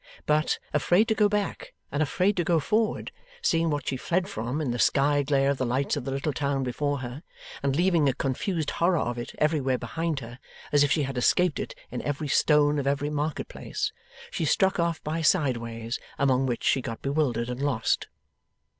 But, afraid to go back and afraid to go forward; seeing what she fled from, in the sky glare of the lights of the little town before her, and leaving a confused horror of it everywhere behind her, as if she had escaped it in every stone of every market place; she struck off by side ways, among which she got bewildered and lost.